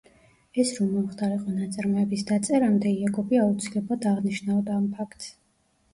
ეს რომ მომხდარიყო ნაწარმოების დაწერამდე, იაკობი აუცილებლად აღნიშნავდა ამ ფაქტს.